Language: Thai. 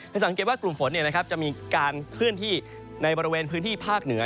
สังเกตว่ากลุ่มฝนจะมีการเคลื่อนที่ในบริเวณพื้นที่ภาคเหนือ